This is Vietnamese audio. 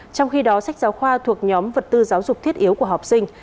trong khi đó sách giáo khoa thuộc nhóm vật tư giáo dục thiết yếu của học sinh